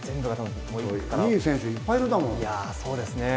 いい選手がいっぱいいるんだもん。